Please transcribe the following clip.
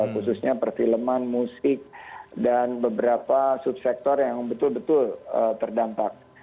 khususnya perfilman musik dan beberapa subsektor yang betul betul terdampak